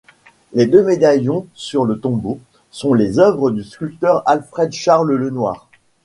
Les deux médaillons sur le tombeau, sont les œuvres du sculpteur Alfred-Charles Lenoir.